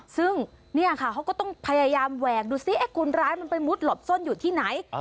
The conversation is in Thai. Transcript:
ซึ่งเนี่ยค่ะเขาก็ต้องพยายามแหวกดูซิคนร้ายมันไปมุดหลบซ่อนอยู่ที่ไหน